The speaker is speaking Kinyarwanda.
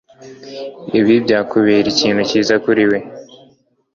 ibi byakubera ikintu cyiza kuri wewe